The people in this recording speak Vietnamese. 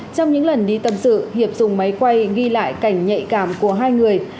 trong những lần đi tâm sự hiệp dùng máy quay ghi lại cảnh nhạy cảm của hai người